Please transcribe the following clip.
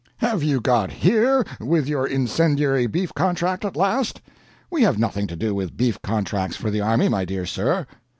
have you got HERE with your incendiary beef contract, at last? We have nothing to do with beef contracts for the army, my dear sir."